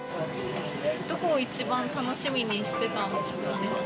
どこを一番楽しみにしてたんですか？